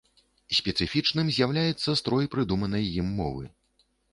Спецыфічным з'яўляецца строй прыдуманай ім мовы.